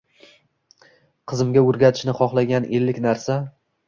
Qizimga o'rgatishni xohlagan ellik narsa.